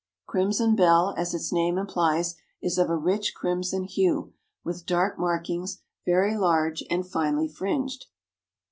"Crimson Belle," as its name implies, is of a rich crimson hue, with dark markings; very large and finely fringed.